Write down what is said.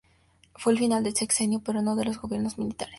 Fue el final del sexenio, pero no de los gobiernos militares.